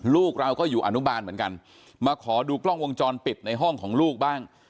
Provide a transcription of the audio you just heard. ลูกเราก็อยู่อนุบาลเหมือนกันมาขอดูกล้องวงจรปิดในห้องของลูกบ้าง